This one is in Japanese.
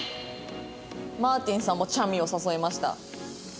マーティンさんもちゃみを誘いました。